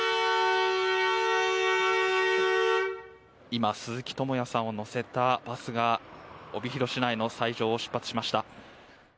今鈴木智也さんを乗せたバスが帯広市内の斎場を出発しました。